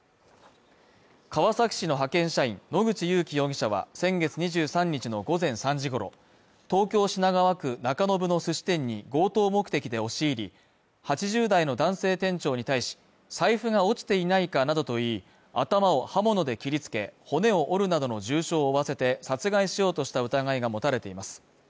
川崎市の派遣社員野口勇樹容疑者は先月２３日の午前３時ごろ、東京・品川区中延のすし店に強盗目的で押し入り、８０代の男性店長に対し、財布が落ちていないかなどと言い、頭を刃物で切りつけ、骨を折るなどの重傷を負わせて殺害しようとした疑いが持たれています。